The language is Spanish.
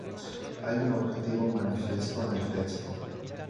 Hay un objetivo manifiesto en el texto.